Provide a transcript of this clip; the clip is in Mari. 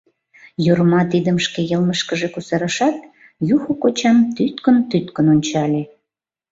Йорма тидым шке йылмышкыже кусарышат, Юхо кочам тӱткын-тӱткын ончале.